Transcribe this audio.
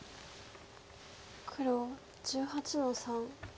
黒１８の三。